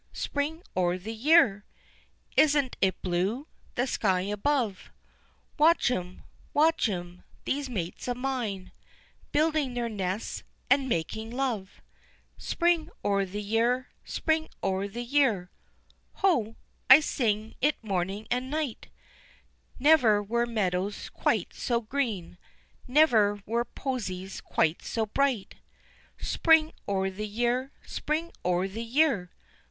Spring o' the year!_" Isn't it blue the sky above? Watch 'em, watch 'em, these mates of mine, Building their nests, and making love. "Spring o' the year! Spring o' the year!" Ho! I sing it morning and night, Never were meadows quite so green, Never were posies quite so bright. "_Spring o' the year! Spring o' the year!